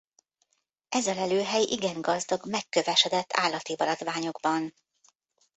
Ez a lelőhely igen gazdag megkövesedett állati maradványokban.